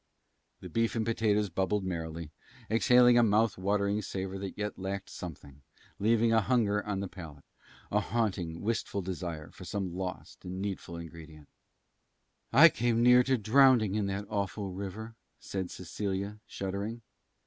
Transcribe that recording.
The beef and potatoes bubbled merrily, exhaling a mouth watering savor that yet lacked something, leaving a hunger on the palate, a haunting, wistful desire for some lost and needful ingredient. "I came near drowning in that awful river," said Cecilia, shuddering.